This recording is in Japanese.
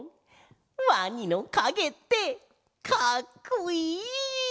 ワニのかげってかっこいい！